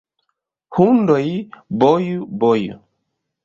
Hundoj, boju, boju!